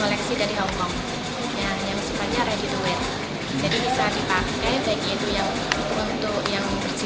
yang tercipta maupun yang tidak